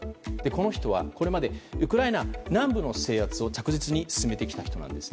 この人はこれまでウクライナ南部の制圧を着実に進めてきた人なんです。